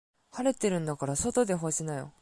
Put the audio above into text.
晴れてるんだから外で干しなよ。